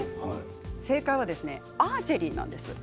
正解はアーチェリーなんです。